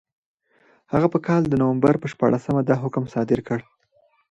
هغه په کال د نومبر په شپاړسمه دا حکم صادر کړ.